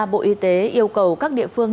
bộ y tế yêu cầu các địa phương